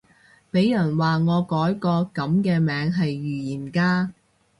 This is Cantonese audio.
俾人話我改個噉嘅名係預言家